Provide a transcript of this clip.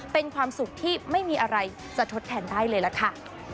เป็นความสุขที่ไม่มีอะไรจะทดแทนได้เลยล่ะค่ะ